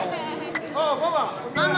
ああママ。